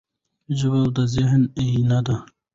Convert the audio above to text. ژبه د ذهن آیینه ده.